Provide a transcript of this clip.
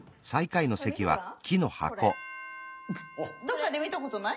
どっかで見たことない？